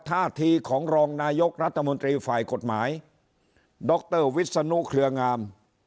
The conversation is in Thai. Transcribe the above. ท่าทีของรองนายกรัฐมนตรีฝ่ายกฎหมายดรวิศนุเครืองาม